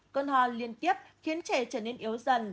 cơn ho liên tiếp khiến trẻ trở nên yếu dần